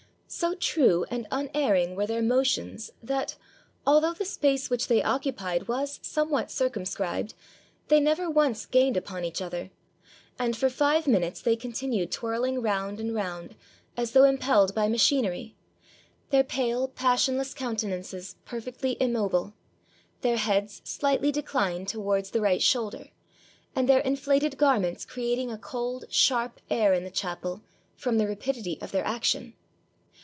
So true and unerring were their motions, that, although the space which they occupied was somewhat circumscribed, they never once gained upon each other: and for five minutes they continued twirling round and round, as though impelled by ma chinery, their pale, passionless countenances perfectly immobile, their heads slightly declined towards the right shoulder, and their inflated garments creating a cold, sharp air in the chapel, from the rapidity of their action.